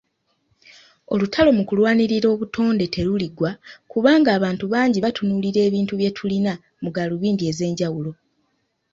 Olutalo mukulwanirira obutonde teruliggwa kubanga abantu bangi batunuulira ebintu byetulina mugalubindi ez'enjawulo.